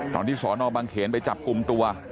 ตอนที่สอนอบังเขนไปจับกลุ่มตัว